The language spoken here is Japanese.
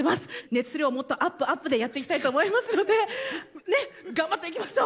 熱量もっとアップアップでやっていきたいと思いますので、ね、頑張るぞ！